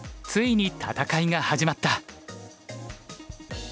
ついに戦いが始まった。